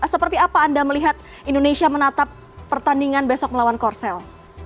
seperti apa anda melihat indonesia menatap pertandingan besok melawan korsel